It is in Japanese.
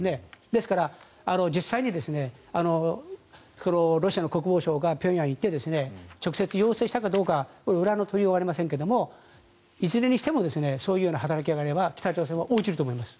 ですから実際にロシアの国防相が平壌に行って直接要請したかどうか裏の取りようがありませんがいずれにしてもそういう働きかけがあれば北朝鮮は応じると思います。